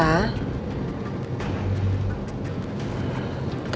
aku penuh sama nino